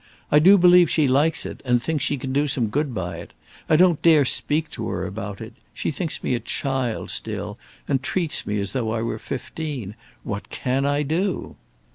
"I do believe she likes it, and thinks she can do some good by it. I don't dare speak to her about it. She thinks me a child still, and treats me as though I were fifteen. What can I do?"